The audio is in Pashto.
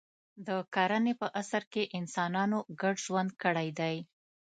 د کرنې په عصر کې انسانانو ګډ ژوند کړی دی.